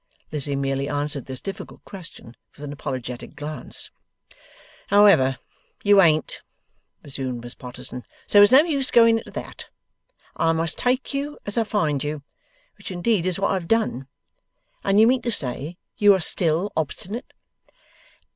Lizzie merely answered this difficult question with an apologetic glance. 'However, you ain't,' resumed Miss Potterson, 'so it's no use going into that. I must take you as I find you. Which indeed is what I've done. And you mean to say you are still obstinate?